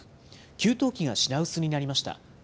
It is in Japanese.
給湯器が品薄になりました。